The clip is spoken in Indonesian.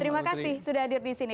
terima kasih sudah hadir di sini